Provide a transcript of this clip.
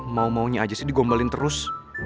mau maunya aja sih digombalin terus